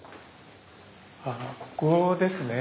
ああここですね。